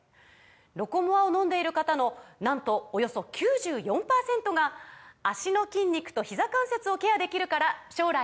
「ロコモア」を飲んでいる方のなんとおよそ９４％が「脚の筋肉とひざ関節をケアできるから将来も安心！」とお答えです